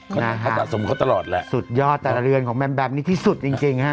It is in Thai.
เขาสะสมเขาตลอดแหละสุดยอดแต่ละเรือนของแบบนี้ที่สุดจริง